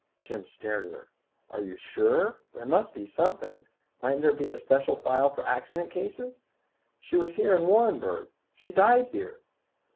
Jim stared at her. "Are you sure? There must be something. Mightn't there be a special file for accident cases? She was here in Warrenburg. She died here."